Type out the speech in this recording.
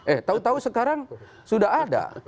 eh tau tau sekarang sudah ada